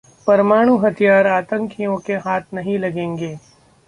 'परमाणु हथियार आतंकियों के हाथ नहीं लगेंगे'